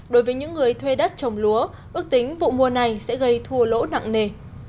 đối với những người thuê đất trồng lúa ước tính vụ mùa này sẽ gây thua lỗ nặng nề